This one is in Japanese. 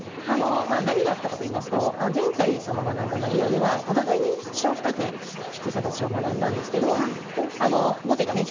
まあ何があったかといいますと前回その学んだ内容ではお互いに飛車を深く引く形を学んだんですけど後手がね